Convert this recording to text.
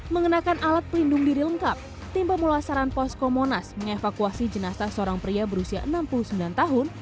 mengenakan alat pelindung diri lengkap tim pemulasaran posko monas mengevakuasi jenazah seorang pria berusia enam puluh sembilan tahun